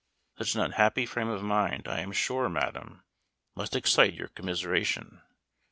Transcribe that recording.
Such an unhappy frame of mind, I am sure, madam, must excite your commiseration.